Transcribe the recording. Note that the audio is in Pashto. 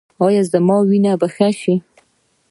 ایا زما وینه به ښه شي؟